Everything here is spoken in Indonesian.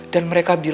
dan mereka bilang